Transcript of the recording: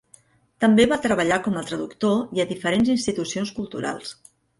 També va treballar com a traductor i a diferents institucions culturals.